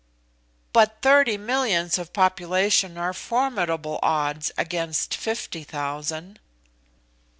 "But thirty millions of population are formidable odds against fifty thousand!"